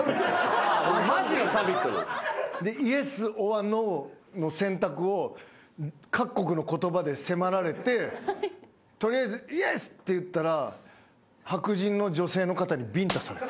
ＹｅｓｏｒＮｏの選択を各国の言葉で迫られて取りあえず「Ｙｅｓ」って言ったら白人の女性の方にビンタされた。